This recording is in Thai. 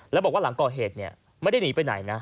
แล้วบอกว่าหลังก่อเหตุไม่ได้หนีไปไหนนะ